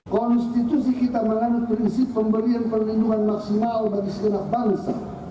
konstitusi kita melalui prinsip pemberian perlindungan maksimal bagi segenap bangsa